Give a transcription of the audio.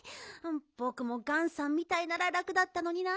ぼくもガンさんみたいなららくだったのにな。